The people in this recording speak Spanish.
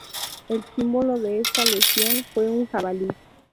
El símbolo de esta legión fue un jabalí.